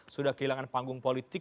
sudah kehilangan panggung politik